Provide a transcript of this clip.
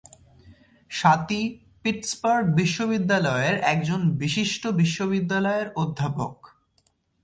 সাতি Pittsburgh বিশ্ববিদ্যালয়ের একজন বিশিষ্ট বিশ্ববিদ্যালয়ের অধ্যাপক।